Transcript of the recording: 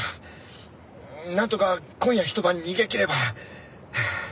なんとか今夜ひと晩逃げきれば。